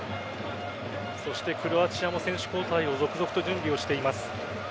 そしてクロアチアも選手交代を続々と準備をしています。